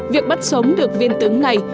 việc bắt sống được viên tướng này